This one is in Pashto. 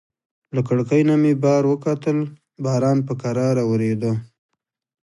له کړکۍ نه مې بهر وکتل، باران په کراره وریده.